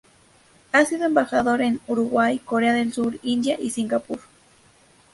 Ha sido embajador en Uruguay, Corea del Sur, India y Singapur.